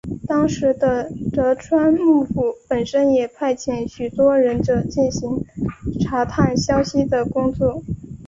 当时的德川幕府本身也派遣许多忍者进行查探消息的工作。